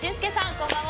こんばんは。